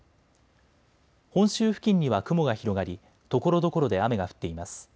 本州付近には雲が広がりところどころで雨が降っています。